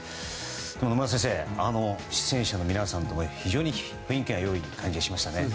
でも野村先生出演者の皆さん、非常に雰囲気が良い感じがしましたね。